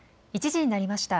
１時になりました。